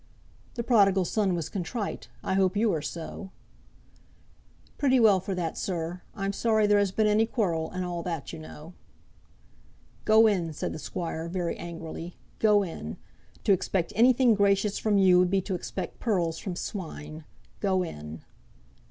"The prodigal son was contrite. I hope you are so." "Pretty well for that, sir. I'm sorry there has been any quarrel, and all that, you know." "Go in," said the squire, very angrily. "Go in. To expect anything gracious from you would be to expect pearls from swine. Go in."